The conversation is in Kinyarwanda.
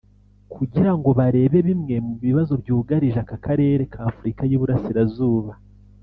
kugirango barebe bimwe mu bibazo byugarije aka karere ka Afurika y’Iburasirazuba